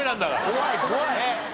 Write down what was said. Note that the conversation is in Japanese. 怖い怖い！